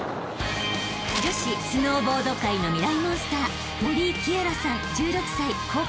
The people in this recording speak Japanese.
［女子スノーボード界のミライ☆モンスター］